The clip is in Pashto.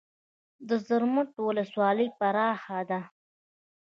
د زرمت ولسوالۍ پراخه ده